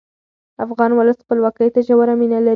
افغان ولس خپلواکۍ ته ژوره مینه لري.